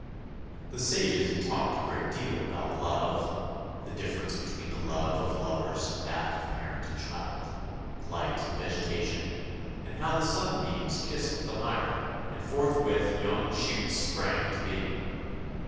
" The sages had talked a great deal about love, the difference between the love of lovers and that of parent and child, light and vegetation, and how the sunbeams kissed the mire and forthwith young shoots sprang into being.